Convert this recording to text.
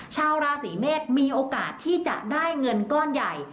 ชาวราศีเมษมีโอกาสที่จะได้เงินก้อนใหญ่